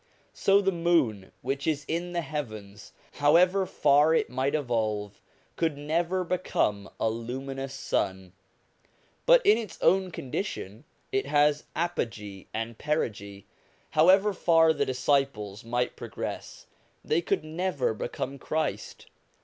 So the moon which is in the heavens, however far it might evolve, could never become a luminous sun ; but in its own condition it has apogee and perigee. However far the disciples might pro gress, they could never become Christ.